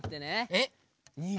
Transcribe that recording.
えっ！